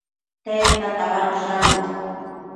Tedta tabadosh ambo?